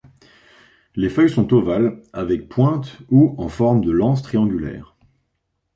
Les feuilles sont ovales avec pointe ou en forme de lances triangulaires.